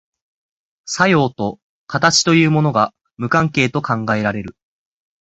作用と形というものが無関係と考えられる。